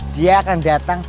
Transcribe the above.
dia akan datang